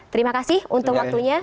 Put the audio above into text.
terima kasih untuk waktunya